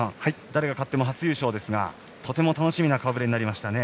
誰が勝っても初優勝ですがとても楽しみな顔ぶれになりましたね。